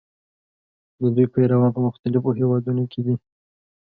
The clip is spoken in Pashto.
د دوی پیروان په مختلفو هېوادونو کې دي.